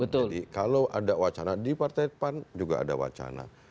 kalau ada wacana di partai pan juga ada wacana